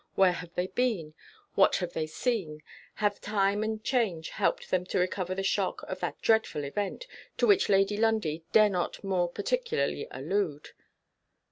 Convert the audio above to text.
Where have they been? what have they seen? have time and change helped them to recover the shock of that dreadful event, to which Lady Lundie dare not more particularly allude?